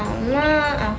aku suka main sama aku